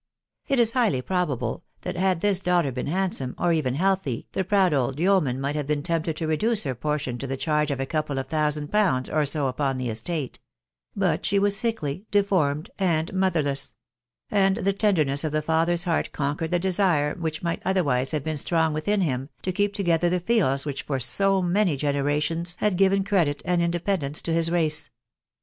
It is highly probable, that had this daughter been handsome, or even healthy, the proud old yeoman might have been tempted to reduce her portion to the charge of a couple of thousand pounds or so upon the estate; but she" was sickly, deformed, and motherless ; and the tenderness of the father's heart conquered the desire which might otherwise have been strong within him, to keep together the fields which for so many generations had given credit and independence to his race.